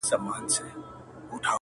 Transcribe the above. د ُملا په څېر به ژاړو له اسمانه!.